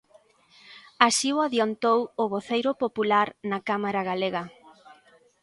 Así o adiantou o voceiro popular na cámara galega.